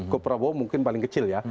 ke prabowo mungkin paling kecil ya